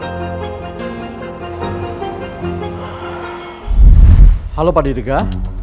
saya sudah sampai di tempat meeting pak